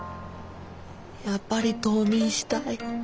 やっぱり冬眠したい。